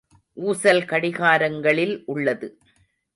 ஊசல் கடிகாரங்களில் உள்ளது.